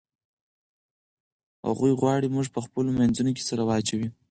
هغوی غواړي موږ په خپلو منځونو کې سره واچوي.